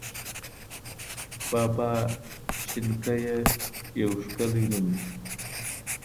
بابا شینکیه یو ښکلی نوم دی.